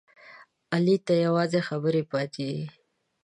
علي ته یوازې خبرې پاتې دي.